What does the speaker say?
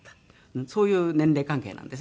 そういう年齢関係なんです。